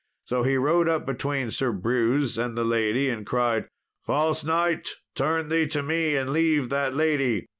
So he rode up between Sir Brewse and the lady, and cried, "False knight, turn thee to me and leave that lady."